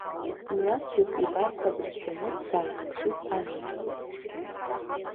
Мҩасҩык ибар ҳәа дацәшәаны даанаԥшит амҩахьгьы.